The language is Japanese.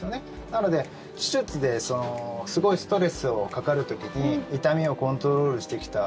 なので、手術ですごいストレスをかかる時に痛みをコントロールしてきた。